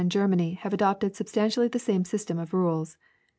39 Germany have adopted substantially the same system of rules.